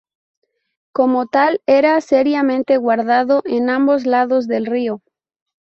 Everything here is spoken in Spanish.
Como tal, era seriamente guardado en ambos lados del río.